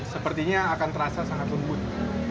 sepertinya akan terasa sangat lembut